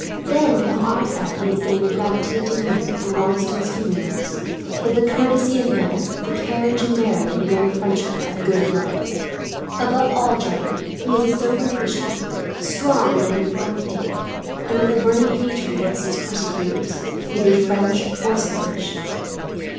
Then from our side he has gained the gravity of demeanour that belongs to us Huguenots; with the courtesy of manner, the carriage and bearing of a young Frenchman of good blood. Above all, John, he is a sober Christian, strong in the reformed faith, and with a burning hatred against its persecutors, be they French or Spanish.